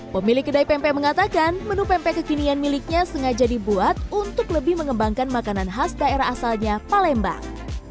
pemilik kedai pempek mengatakan menu pempek kekinian miliknya sengaja dibuat untuk lebih mengembangkan makanan khas daerah asalnya palembang